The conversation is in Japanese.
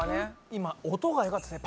今音がよかったですね。